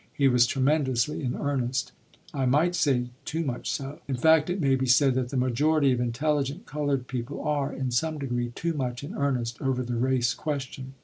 He was tremendously in earnest; I might say, too much so. In fact, it may be said that the majority of intelligent colored people are, in some degree, too much in earnest over the race question.